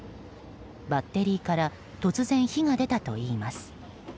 バッテリーから突然、火が出たといいます。